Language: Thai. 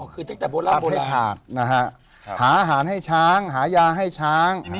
คือตั้งแต่โบราณให้ขาดนะฮะหาอาหารให้ช้างหายาให้ช้าง